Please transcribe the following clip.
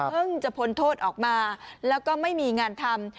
จะพ้นโทษออกมาแล้วก็ไม่มีงานทำ